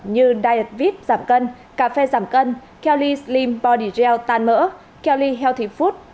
như diet vip giảm cân cà phê giảm cân kelly slim body gel tan mỡ kelly healthy food